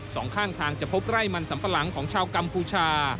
สองข้างทางจะพบไร่มันสัมปะหลังของชาวกัมพูชา